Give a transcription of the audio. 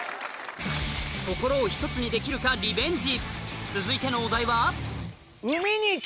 心を１つにできるかリベンジ続いてのお題は？